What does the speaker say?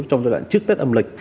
trong giai đoạn trước tết âm lịch